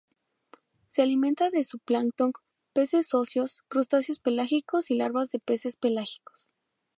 Se alimenta de zooplancton, peces óseos, crustáceos pelágicos y larvas de peces pelágicos.